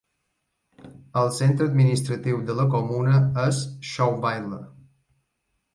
El centre administratiu de la comuna és Schouweiler.